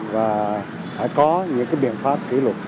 và phải có những biện pháp kỷ lục